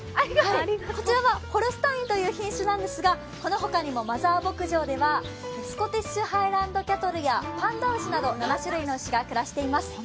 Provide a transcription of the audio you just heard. こちらはホルスタインという品種なんですが、このほかにもマザー牧場ではスコティッシュハイランドキャトルやパンダ牛など、７種類の牛が暮らしています。